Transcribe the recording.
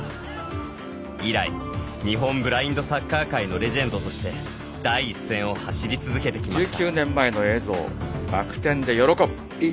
以来、日本ブラインドサッカー界のレジェンドとして第一線を走り続けてきました。